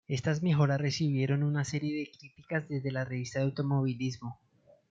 Estas mejoras recibieron una serie de críticas desde las revistas de automovilismo.